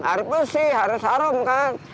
harus bersih harus harum kan